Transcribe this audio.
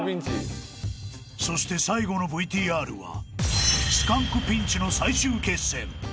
［そして最後のＶＴＲはスカンクピンチの最終決戦］